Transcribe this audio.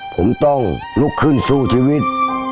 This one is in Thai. ผมต้องลุกขึ้นสู้ชีวิต